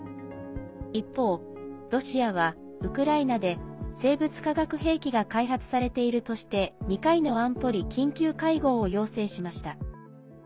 一方、ロシアは「ウクライナで生物化学兵器が開発されている」として２回の安保理緊急会合を要請しました。